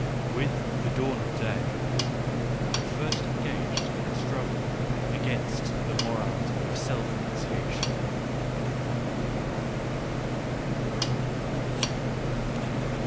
With The Dawn of Day I first engaged in a struggle against the morality of self renunciation.